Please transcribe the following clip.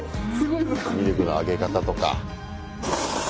ミルクのあげ方とか。